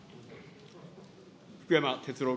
福山哲郎